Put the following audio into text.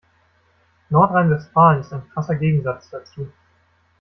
Nordrhein-Westfalen ist ein krasser Gegensatz dazu.